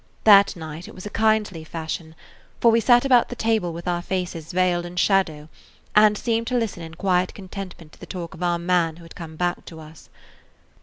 That night it was a kindly fashion, for we sat about the table with our faces veiled in shadow, and seemed to listen in quiet contentment to the talk of our man who had come back to us.